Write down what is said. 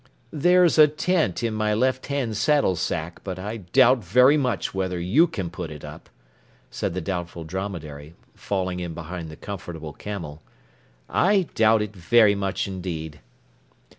"There's a tent in my left hand saddle sack, but I doubt very much whether you can put it up," said the Doubtful Dromedary, falling in behind the Comfortable Camel. "I doubt it very much indeed."